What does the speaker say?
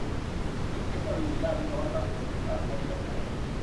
เทคโนโลยีด้านวิศวกรรม คณิตศาสตร์ โปรแกรมเมอร์